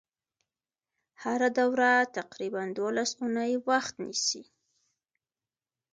هره دوره تقریبا دولس اونۍ وخت نیسي.